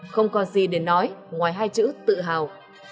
không còn gì để nói ngoài hai chữ tự hào